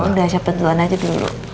ya udah siapa duluan aja dulu